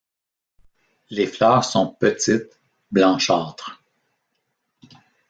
Les fleurs sont petites, blanchâtres.